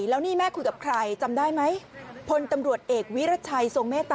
แล้วนี่แม่คุยกับใครจำได้ไหมพลตำรวจเอกวิรัชัยทรงเมตตา